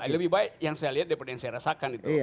lebih baik yang saya lihat daripada yang saya rasakan itu